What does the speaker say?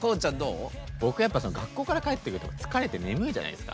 学校から帰ってくると、疲れて眠いじゃないですか。